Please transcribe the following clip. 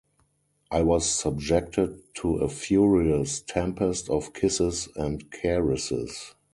I was subjected to a furious tempest of kisses and caresses.